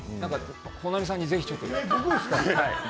本並さんにぜひちょっと。